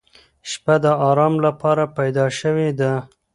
• شپه د آرام لپاره پیدا شوې ده.